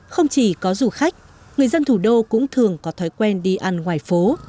không chỉ có du khách người dân thủ đô cũng thường có thói quen đi ăn ngoài phố